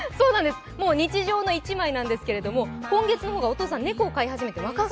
もう日常の一枚なんですけれども、今月の方がお父さん、猫を飼い始めて。